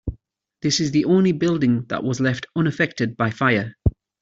This is the only building that was left unaffected by fire.